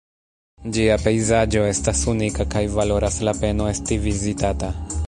Ĝia pejzaĝo estas unika kaj valoras la peno esti vizitata.